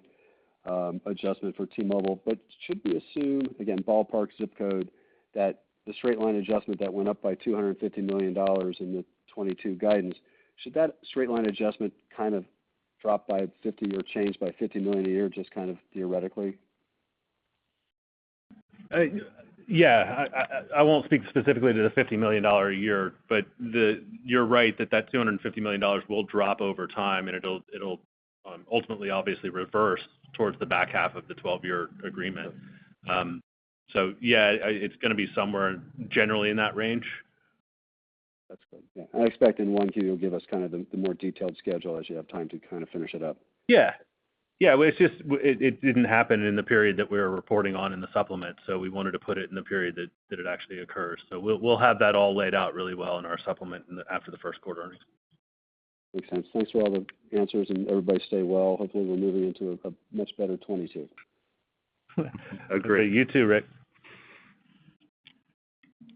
adjustment for T-Mobile. Should we assume, again, ballpark zip code, that the straight line adjustment that went up by $250 million in the 2022 guidance, should that straight line adjustment kind of drop by $50 million or change by $50 million a year, just kind of theoretically? Yeah, I won't speak specifically to the $50 million a year, but you're right that $250 million will drop over time, and it'll ultimately obviously reverse towards the back half of the 12-year agreement. So yeah, it's gonna be somewhere generally in that range. That's good. Yeah. I expect in 1Q, you'll give us kind of the more detailed schedule as you have time to kind of finish it up. Yeah. Well, it didn't happen in the period that we were reporting on in the supplement, so we wanted to put it in the period that it actually occurs. We'll have that all laid out really well in our supplement after the first quarter earnings. Makes sense. Thanks for all the answers, and everybody stay well. Hopefully, we're moving into a much better 2022. Agree. Okay. You too,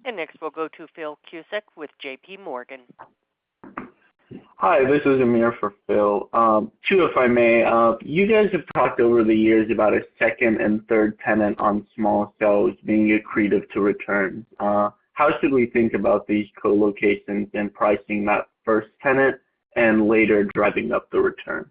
Ric. Next, we'll go to Phil Cusick with JPMorgan. Hi, this is Amir for Phil. Two, if I may. You guys have talked over the years about a second and third tenant on small cells being accretive to return. How should we think about these co-locations and pricing that first tenant and later driving up the return?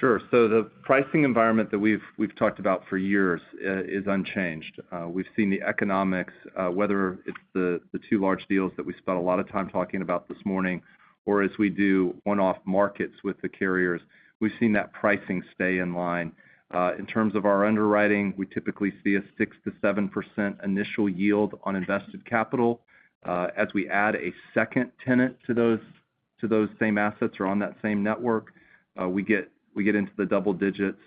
Sure. The pricing environment that we've talked about for years is unchanged. We've seen the economics, whether it's the two large deals that we spent a lot of time talking about this morning, or as we do one-off markets with the carriers, we've seen that pricing stay in line. In terms of our underwriting, we typically see a 6%-7% initial yield on invested capital. As we add a second tenant to those same assets or on that same network, we get into the double digits,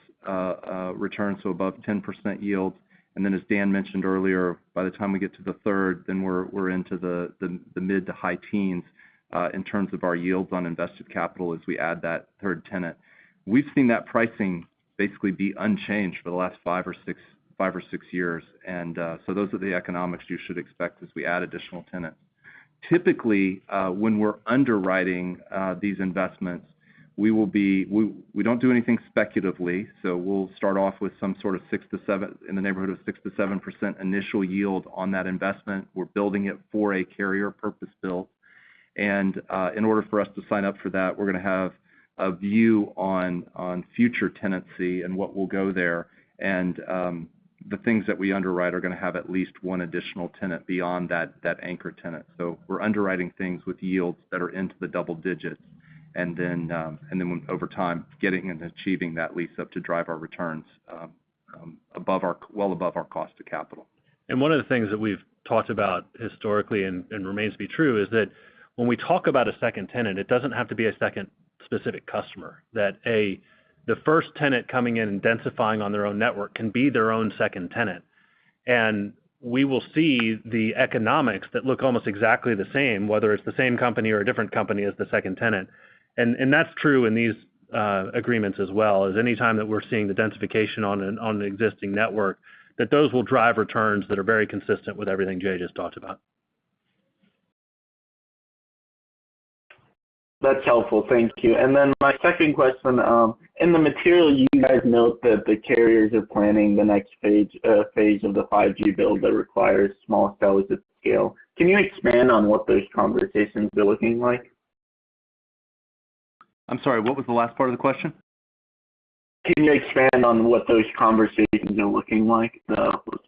returns, so above 10% yield. Then as Dan mentioned earlier, by the time we get to the third, we're into the mid to high teens in terms of our yields on invested capital as we add that third tenant. We've seen that pricing basically be unchanged for the last five or six years. Those are the economics you should expect as we add additional tenants. Typically, when we're underwriting these investments, we will be. We don't do anything speculatively, so we'll start off with some sort of 6%-7% initial yield on that investment. We're building it for a carrier purpose built. In order for us to sign up for that, we're gonna have a view on future tenancy and what will go there. The things that we underwrite are gonna have at least one additional tenant beyond that anchor tenant. We're underwriting things with yields that are into the double digits. Over time, getting and achieving that lease up to drive our returns well above our cost of capital. One of the things that we've talked about historically and remains to be true is that when we talk about a second tenant, it doesn't have to be a second specific customer. That the first tenant coming in and densifying on their own network can be their own second tenant. We will see the economics that look almost exactly the same, whether it's the same company or a different company as the second tenant. That's true in these agreements as well as anytime that we're seeing the densification on an existing network, that those will drive returns that are very consistent with everything Jay just talked about. That's helpful. Thank you. My second question, in the material, you guys note that the carriers are planning the next phase of the 5G build that requires small cells at scale. Can you expand on what those conversations are looking like? I'm sorry, what was the last part of the question? Can you expand on what those conversations are looking like,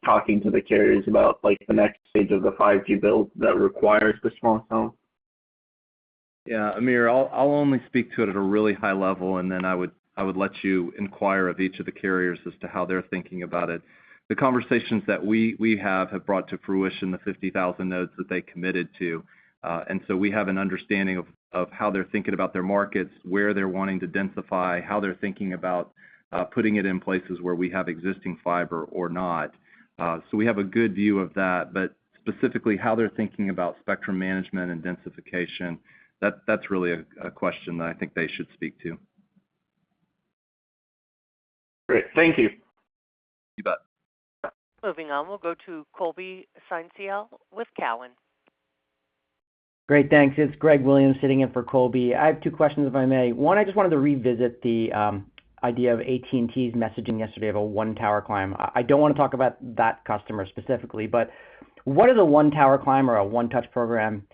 talking to the carriers about, like, the next stage of the 5G build that requires the small cell? Yeah. Amir, I'll only speak to it at a really high level, and then I would let you inquire of each of the carriers as to how they're thinking about it. The conversations that we have brought to fruition the 50,000 nodes that they committed to. We have an understanding of how they're thinking about their markets, where they're wanting to densify, how they're thinking about putting it in places where we have existing fiber or not. We have a good view of that. Specifically, how they're thinking about spectrum management and densification, that's really a question that I think they should speak to. Great. Thank you. You bet. Moving on, we'll go to Colby Synesael with Cowen. Great. Thanks. It's Greg Williams sitting in for Colby. I have two questions, if I may. One, I just wanted to revisit the idea of AT&T's messaging yesterday of a one tower climb. I don't wanna talk about that customer specifically, but what does a one tower climb or a one-touch program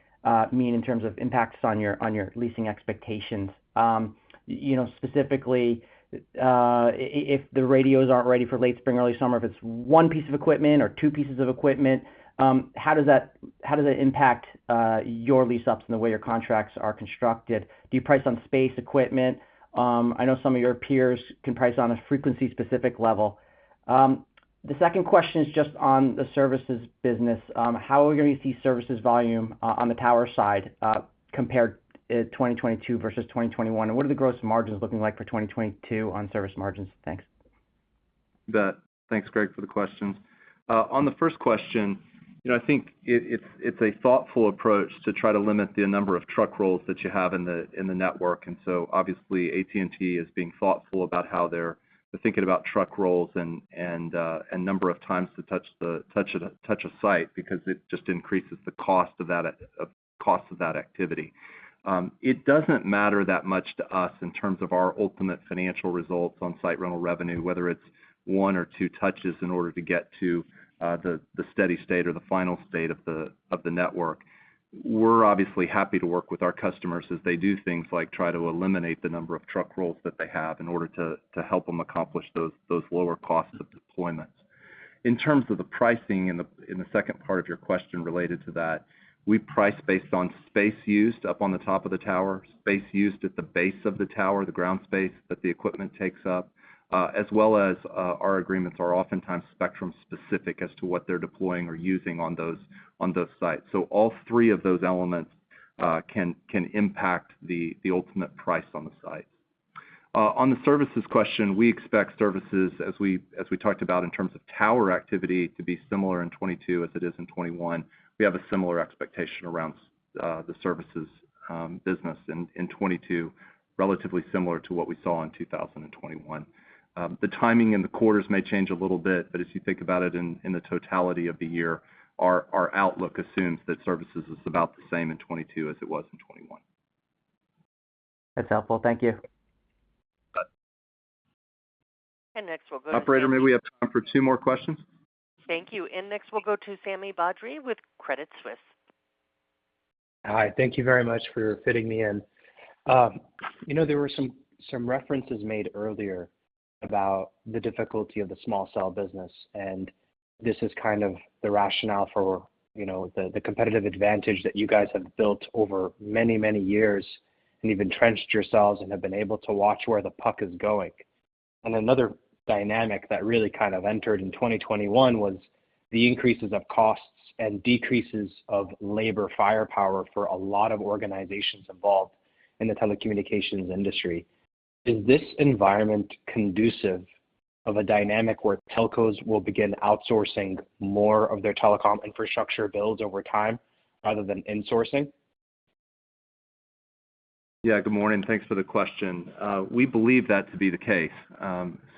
mean in terms of impacts on your leasing expectations? You know, specifically, if the radios aren't ready for late spring, early summer, if it's one piece of equipment or two pieces of equipment, how does that impact your lease ups and the way your contracts are constructed? Do you price on space, equipment? I know some of your peers can price on a frequency-specific level. The second question is just on the Services business. How are we gonna see services volume on the tower side, compared to 2022 versus 2021? What are the gross margins looking like for 2022 on service margins? Thanks. You bet. Thanks, Greg, for the questions. On the first question, you know, I think it's a thoughtful approach to try to limit the number of truck rolls that you have in the network. Obviously AT&T is being thoughtful about how they're thinking about truck rolls and a number of times to touch a site, because it just increases the cost of that activity. It doesn't matter that much to us in terms of our ultimate financial results on site rental revenue, whether it's one or two touches in order to get to the steady state or the final state of the network. We're obviously happy to work with our customers as they do things like try to eliminate the number of truck rolls that they have in order to help them accomplish those lower costs of deployments. In terms of the pricing in the second part of your question related to that, we price based on space used up on the top of the tower, space used at the base of the tower, the ground space that the equipment takes up, as well as our agreements are oftentimes spectrum-specific as to what they're deploying or using on those sites. So all three of those elements can impact the ultimate price on the site. On the services question, we expect services as we talked about in terms of tower activity, to be similar in 2022 as it is in 2021. We have a similar expectation around the services business in 2022, relatively similar to what we saw in 2021. The timing and the quarters may change a little bit, but as you think about it in the totality of the year, our outlook assumes that services is about the same in 2022 as it was in 2021. That's helpful. Thank you. You bet. Next we'll go to. Operator, may we have time for two more questions? Thank you. Next we'll go to Sami Badri with Credit Suisse. Hi. Thank you very much for fitting me in. You know, there were some references made earlier about the difficulty of the small cell business, and this is kind of the rationale for, you know, the competitive advantage that you guys have built over many, many years and you've entrenched yourselves and have been able to watch where the puck is going. Another dynamic that really kind of entered in 2021 was the increases of costs and decreases of labor firepower for a lot of organizations involved in the telecommunications industry. Is this environment conducive of a dynamic where telcos will begin outsourcing more of their telecom infrastructure builds over time rather than insourcing? Yeah. Good morning. Thanks for the question. We believe that to be the case.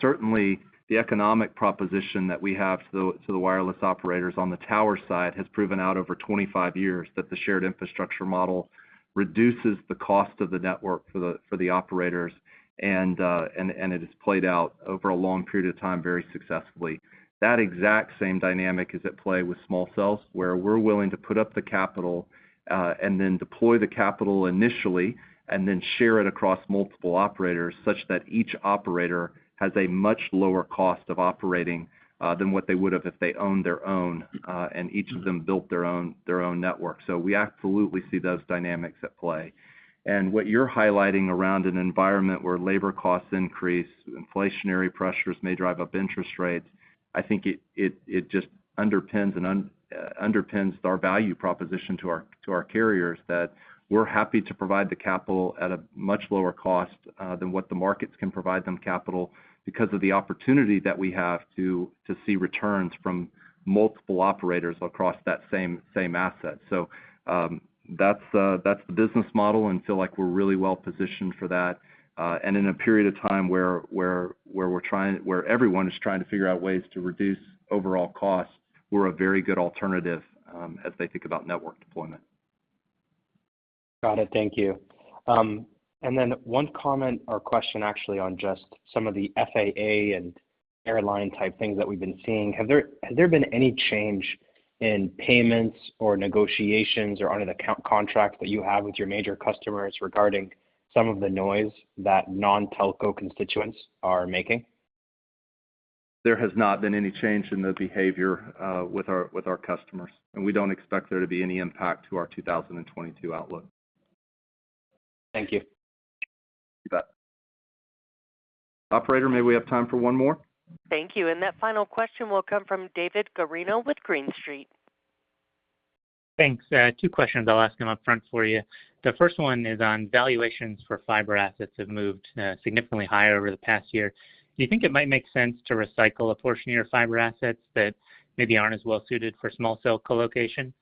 Certainly the economic proposition that we have to the wireless operators on the tower side has proven out over 25 years that the shared infrastructure model reduces the cost of the network for the operators and it has played out over a long period of time very successfully. That exact same dynamic is at play with small cells, where we're willing to put up the capital and then deploy the capital initially, and then share it across multiple operators such that each operator has a much lower cost of operating than what they would have if they owned their own and each of them built their own network. We absolutely see those dynamics at play. What you're highlighting around an environment where labor costs increase, inflationary pressures may drive up interest rates, I think it just underpins our value proposition to our carriers that we're happy to provide the capital at a much lower cost than what the markets can provide them capital because of the opportunity that we have to see returns from multiple operators across that same asset. That's the business model and feel like we're really well positioned for that. In a period of time where everyone is trying to figure out ways to reduce overall costs, we're a very good alternative as they think about network deployment. Got it. Thank you. One comment or question actually on just some of the FAA and airline-type things that we've been seeing. Has there been any change in payments or negotiations or under the contract that you have with your major customers regarding some of the noise that non-telco constituents are making? There has not been any change in the behavior with our customers, and we don't expect there to be any impact to our 2022 outlook. Thank you. You bet. Operator, may we have time for one more? Thank you. That final question will come from David Guarino with Green Street. Thanks. Two questions. I'll ask them upfront for you. The first one is on valuations for fiber assets have moved significantly higher over the past year. Do you think it might make sense to recycle a portion of your fiber assets that maybe aren't as well suited for small cell co-location?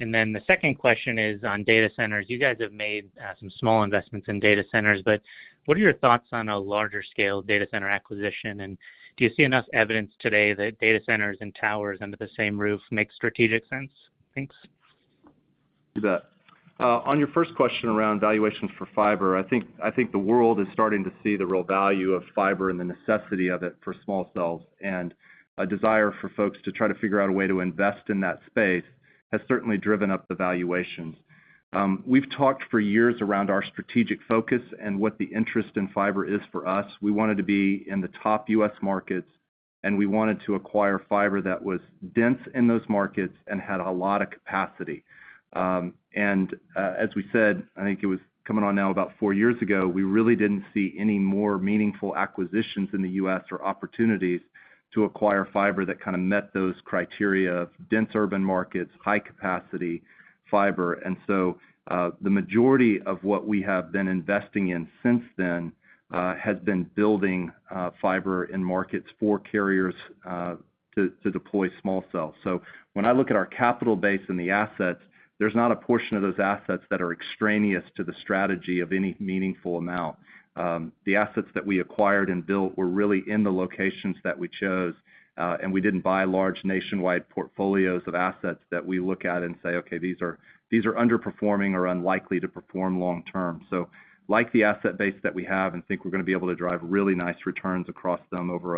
And then the second question is on data centers. You guys have made some small investments in data centers, but what are your thoughts on a larger scale data center acquisition? And do you see enough evidence today that data centers and towers under the same roof make strategic sense? Thanks. You bet. On your first question around valuations for fiber, I think the world is starting to see the real value of fiber and the necessity of it for small cells, and a desire for folks to try to figure out a way to invest in that space has certainly driven up the valuations. We've talked for years around our strategic focus and what the interest in fiber is for us. We wanted to be in the top U.S. markets, and we wanted to acquire fiber that was dense in those markets and had a lot of capacity. As we said, I think it was coming on now about four years ago, we really didn't see any more meaningful acquisitions in the U.S. or opportunities to acquire fiber that kind of met those criteria, dense urban markets, high-capacity fiber. The majority of what we have been investing in since then has been building fiber in markets for carriers to deploy small cells. When I look at our capital base and the assets, there's not a portion of those assets that are extraneous to the strategy of any meaningful amount. The assets that we acquired and built were really in the locations that we chose, and we didn't buy large nationwide portfolios of assets that we look at and say, "Okay, these are underperforming or unlikely to perform long term." Like the asset base that we have and think we're gonna be able to drive really nice returns across them over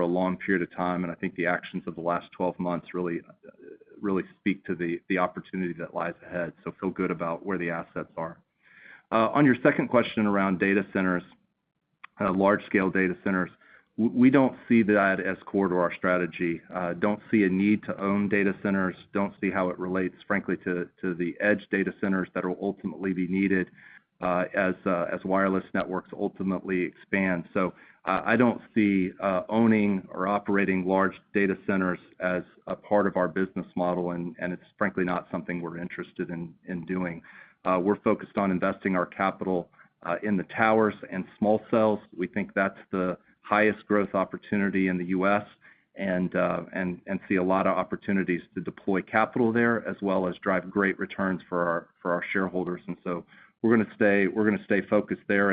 a long period of time, and I think the actions of the last 12 months really, really speak to the opportunity that lies ahead, so feel good about where the assets are. On your second question around data centers, large-scale data centers, we don't see that as core to our strategy. Don't see a need to own data centers. Don't see how it relates, frankly, to the edge data centers that will ultimately be needed as wireless networks ultimately expand. I don't see owning or operating large data centers as a part of our business model, and it's frankly not something we're interested in doing. We're focused on investing our capital in the towers and small cells. We think that's the highest growth opportunity in the U.S. and see a lot of opportunities to deploy capital there as well as drive great returns for our shareholders. We're gonna stay focused there.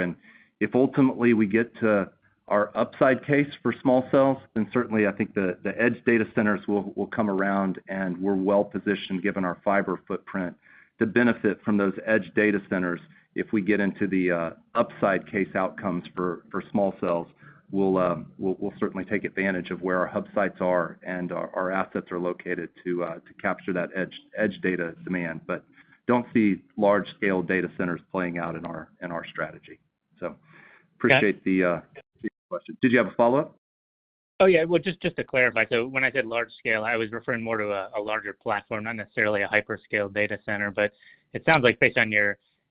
If ultimately we get to our upside case for small cells, then certainly I think the edge data centers will come around, and we're well positioned given our fiber footprint to benefit from those edge data centers if we get into the upside case outcomes for small cells. We'll certainly take advantage of where our hub sites are and our assets are located to capture that edge data demand. But don't see large-scale data centers playing out in our strategy. Appreciate the question. Did you have a follow-up? Oh, yeah. Well, just to clarify. When I said large scale, I was referring more to a larger platform, not necessarily a hyperscale data center. It sounds like based on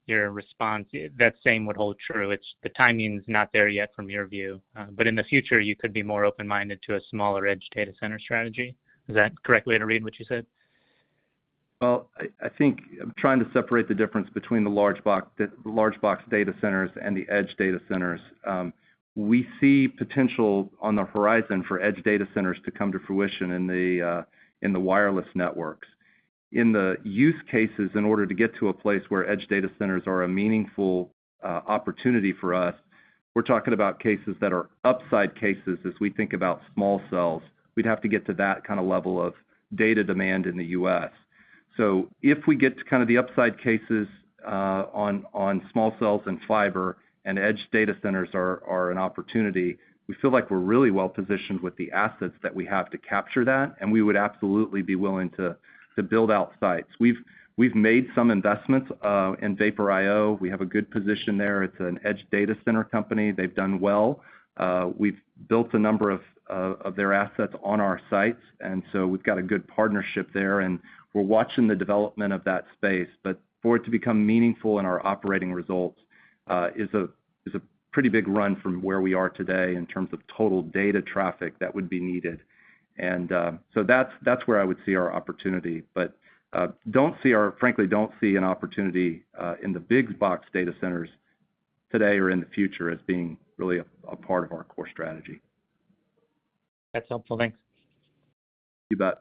your response, that same would hold true. It's the timing's not there yet from your view, but in the future, you could be more open-minded to a smaller edge data center strategy. Is that a correct way to read what you said? Well, I think I'm trying to separate the difference between the large box data centers and the edge data centers. We see potential on the horizon for edge data centers to come to fruition in the wireless networks. In the use cases, in order to get to a place where edge data centers are a meaningful opportunity for us, we're talking about cases that are upside cases as we think about small cells. We'd have to get to that kind of level of data demand in the U.S. If we get to kind of the upside cases on small cells and fiber and edge data centers are an opportunity, we feel like we're really well positioned with the assets that we have to capture that, and we would absolutely be willing to build out sites. We've made some investments in Vapor IO. We have a good position there. It's an edge data center company. They've done well. We've built a number of their assets on our sites, and so we've got a good partnership there, and we're watching the development of that space. For it to become meaningful in our operating results is a pretty big run from where we are today in terms of total data traffic that would be needed. That's where I would see our opportunity, but don't see or frankly don't see an opportunity in the big box data centers today or in the future as being really a part of our core strategy. That's helpful. Thanks. You bet.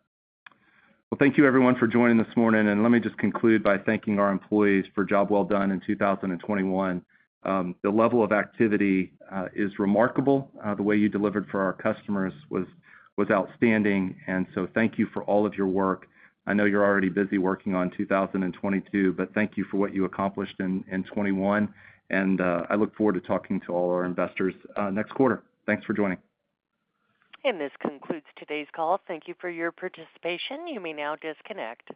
Well, thank you everyone for joining this morning, and let me just conclude by thanking our employees for a job well done in 2021. The level of activity is remarkable. The way you delivered for our customers was outstanding, and so thank you for all of your work. I know you're already busy working on 2022, but thank you for what you accomplished in 2021, and I look forward to talking to all our investors next quarter. Thanks for joining. This concludes today's call. Thank you for your participation. You may now disconnect.